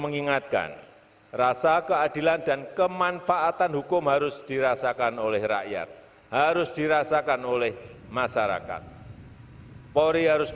penghormatan kepada panji panji kepolisian negara republik indonesia tri brata